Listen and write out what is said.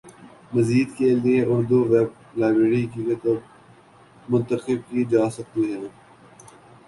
مزید کے لیے اردو ویب لائبریری کی کتب منتخب کی جا سکتی ہیں